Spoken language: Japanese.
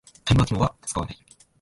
タイマー機能は使わない